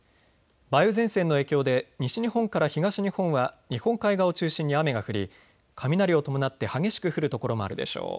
梅雨前線の影響で西日本から東日本は日本海側を中心に雨が降り雷を伴って激しく降る所もあるでしょう。